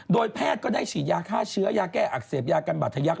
โดยแพทย์ก็ได้ฉีดยาฆ่าเชื้อยาแก้อักเสบยากันบัตทะยักษ